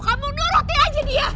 kamu nuruti aja dia